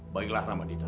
baiklah rama dita